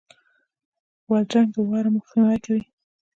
بادرنګ د ورم مخنیوی کوي.